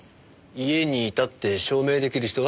家にいたって証明出来る人は？